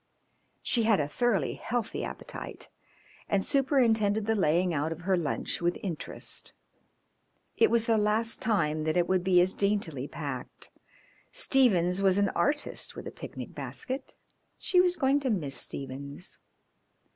She had a thoroughly healthy appetite, and superintended the laying out of her lunch with interest. It was the last time that it would be as daintily packed. Stephens was an artist with a picnic basket. She was going to miss Stephens.